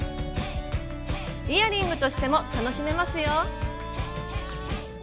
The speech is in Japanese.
イヤリングとしても楽しめますよ。